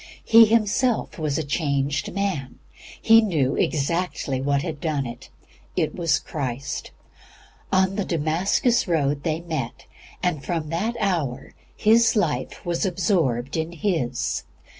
He himself was a changed man; he knew exactly what had done it; IT WAS CHRIST. On the Damascus road they met, and from that hour his life was absorbed in His.